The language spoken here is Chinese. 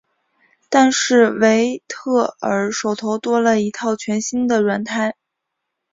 但是维特尔手头多了一套全新的软胎。